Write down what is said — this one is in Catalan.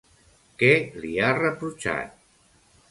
Què li ha reprotxat?